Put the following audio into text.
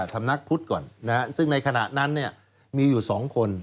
สำนักพุทธก่อนซึ่งในขณะนั้นมีอยู่๒คน